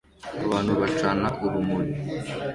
Abantu bacana urumuri